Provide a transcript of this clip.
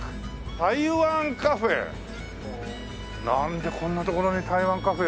「台湾カフェ」なんでこんな所に台湾カフェを。